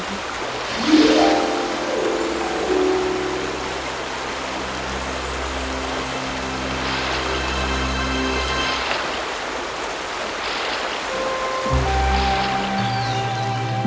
seperti itu juga terjadi